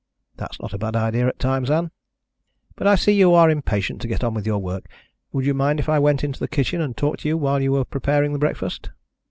"That's not a bad idea at times, Ann. But I see you are impatient to get on with your work. Would you mind if I went into the kitchen and talked to you while you are preparing breakfast?"